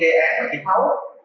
khi gây án và chiếm máu